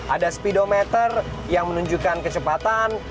ada speedometer yang menunjukkan kecepatan